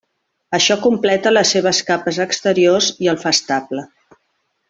Això completa les seves capes exteriors i el fa estable.